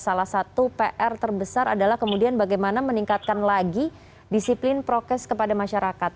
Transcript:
salah satu pr terbesar adalah kemudian bagaimana meningkatkan lagi disiplin prokes kepada masyarakat